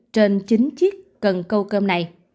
trên chín chiếc cần câu cơm này